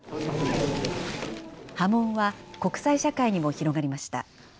波紋は国際社会にも広がりました。